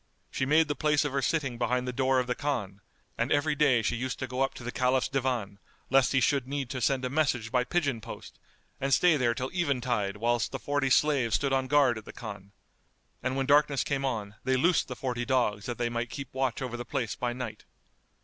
She made the place of her sitting behind the door of the Khan, and every day she used to go up to the Caliph's Divan, lest he should need to send a message by pigeon post and stay there till eventide whilst the forty slaves stood on guard at the Khan; and when darkness came on they loosed the forty dogs that they might keep watch over the place by night.